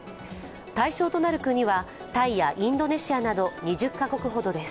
対象となる国はタイやインドネシアなど２０か国ほどです。